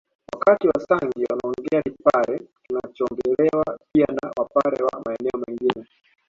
Wakati wasangi anaongea kipare kinachoongelewa pia na Wapare wa maeneo mengine